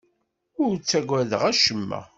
Ur ttaggadeɣ acemma.